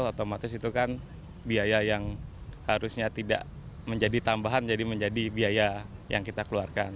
otomatis itu kan biaya yang harusnya tidak menjadi tambahan jadi menjadi biaya yang kita keluarkan